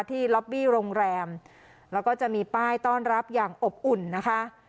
ล็อบบี้โรงแรมแล้วก็จะมีป้ายต้อนรับอย่างอบอุ่นนะคะ